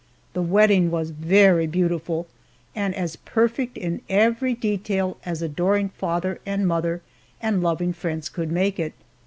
The wedding was very beautiful and as perfect in every detail as adoring father and mother and loving friends could make it.